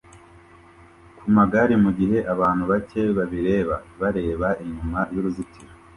ku magare mugihe abantu bake babireba bareba inyuma y'uruzitiro